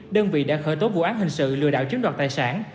đơn vị đã khởi tố vụ án hình sự lừa đảo chiếm đoạt tài sản